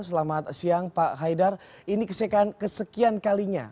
selamat siang pak haidar ini kesekian kalinya